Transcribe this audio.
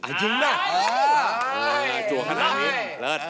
จริงนะจัวขนาดนี้